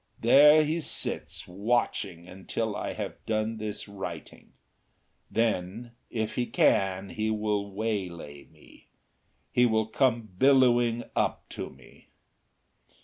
There he sits watching until I have done this writing. Then, if he can, he will waylay me. He will come billowing up to me....